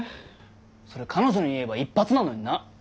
それ彼女に言えば一発なのにな。